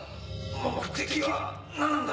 目的は何だ？